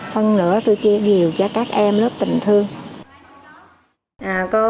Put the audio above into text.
phân nửa tôi chia đều cho các em lớp tình thương